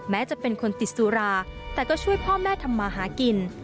จะเป็นคนติดสุราแต่ก็ช่วยพ่อแม่ทำมาหากิน